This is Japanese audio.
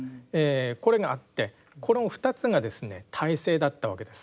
これがあってこの２つがですね体制だったわけです。